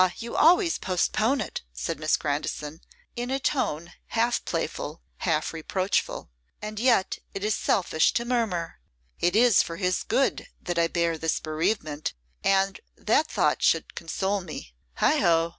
you always postpone it,' said Miss Grandison, in a tone half playful, half reproachful; 'and yet it is selfish to murmur. It is for his good that I bear this bereavement, and that thought should console me. Heigho!